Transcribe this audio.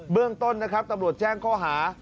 เรื่องต้นนะครับตำรวจแจ้งข้อหา